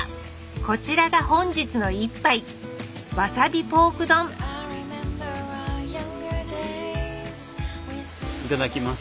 こちらが本日の一杯いただきます。